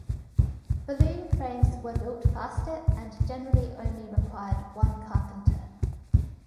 Balloon frames were built faster and generally only required one carpenter.